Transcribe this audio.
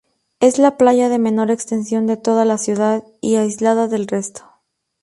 Es la playa de menor extensión de toda la ciudad, y aislada del resto.